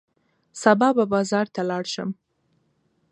سبا به بازار ته لاړ شم.